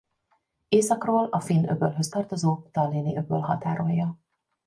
Északról a Finn-öbölhöz tartozó Tallinni-öböl határolja.